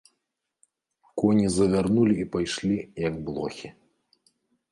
Коні завярнулі і пайшлі, як блохі.